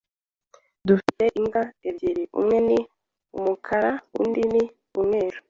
Dufite imbwa ebyiri. Umwe ni umukara undi ni umweru.